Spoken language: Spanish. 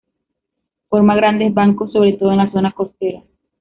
Forma grandes bancos, sobre todo en la zona costera.